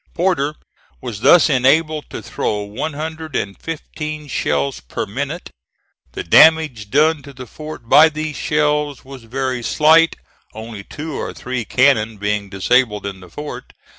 Porter was thus enabled to throw one hundred and fifteen shells per minute. The damage done to the fort by these shells was very slight, only two or three cannon being disabled in the fort.